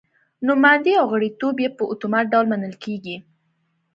نوماندي او غړیتوب یې په اتومات ډول منل کېږي.